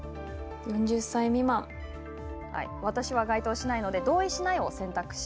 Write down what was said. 私は該当しないので同意しないを選択。